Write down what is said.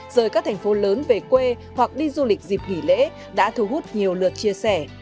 rời các thành phố lớn về quê hoặc đi du lịch dịp nghỉ lễ đã thu hút nhiều lượt chia sẻ